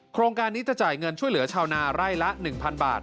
โครงการนี้จะจ่ายเงินช่วยเหลือชาวนาไร่ละ๑๐๐บาท